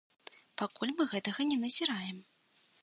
Пакуль мы гэтага не назіраем.